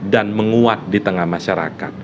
dan menguat di tengah masyarakat